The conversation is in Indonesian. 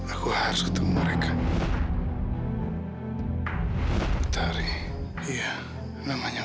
aku harus ketuk mereka